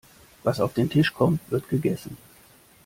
Was auf den Tisch kommt, wird gegessen.